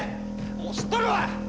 もう知っとるわ！